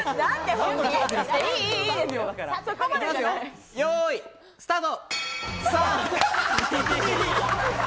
よい、スタート！